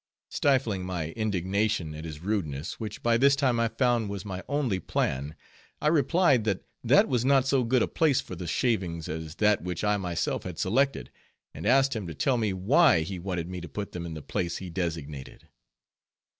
Stifling my indignation at his rudeness, which by this time I found was my only plan, I replied that that was not so good a place for the shavings as that which I myself had selected, and asked him to tell me why he wanted me to put them in the place he designated.